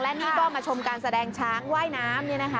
และนี่ก็มาชมการแสดงช้างว่ายน้ำเนี่ยนะคะ